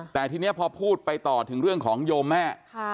แต่ทีนี้พอพูดไปต่อถึงเรื่องของโยมแม่